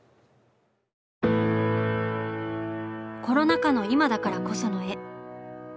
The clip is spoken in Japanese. コロナ禍の今だからこその絵。